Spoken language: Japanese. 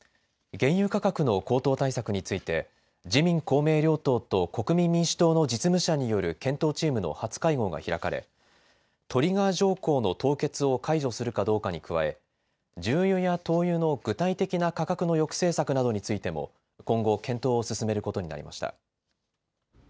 原油価格の高騰対策について、自民、公明両党と国民民主党の実務者による検討チームの初会合が開かれ、トリガー条項の凍結を解除するかどうかに加え、重油や灯油の具体的な価格の抑制策などについても、今後、検討を進めることになりました。